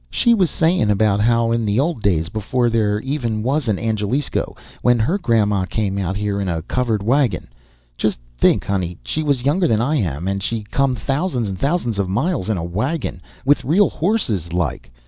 "She was saying about how in the old days, before there even was an Angelisco when her Grandma came out here in a covered wagon. Just think, honey, she was younger than I am, and she come thousands and thousands of miles in a wagon! With real horses, like!